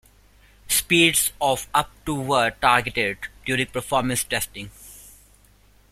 Speeds of up to were targeted during performance testing.